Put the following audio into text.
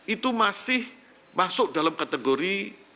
itu masih masuk dalam kategori